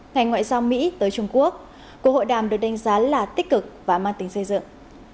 ngành ngoại giao mỹ tới trung quốc cuộc hội đàm được đánh giá là tích cực và mang tính xây dựng